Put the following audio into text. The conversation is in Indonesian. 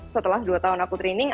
setelah dua tahun aku training